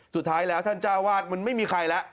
สุดท้ายแล้วท่านเจ้าวาดมันไม่มีใครแล้ว